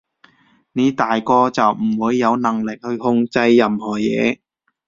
你大個就唔會有能力去控制任何嘢